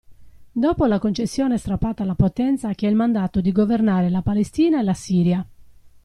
Dopo la concessione strappata alla Potenza che ha il mandato di governare la Palestina e la Siria.